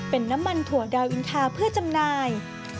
เป็นน้ำมันถั่วดาวอินทาเพื่อจำหน่าย